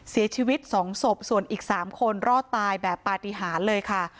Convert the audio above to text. เสียชีวิต๒ศพส่วนอีก๓คนรอดตายแบบปฏิหารเลยค่ะ